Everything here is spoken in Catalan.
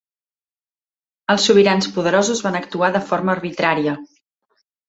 Els sobirans poderosos van actuar de forma arbitrària.